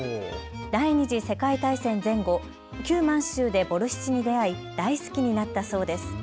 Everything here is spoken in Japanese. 第二次世界大戦前後、旧満州でボルシチに出会い大好きになったそうです。